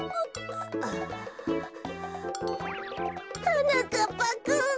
はなかっぱくん。